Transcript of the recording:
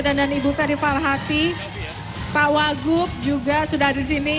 direktur utama dari bank dki sudah hadir di sini